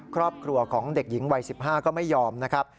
ครอบครัวของเด็กหญิงวัย๑๕ก็ไม่ยอมนะครับ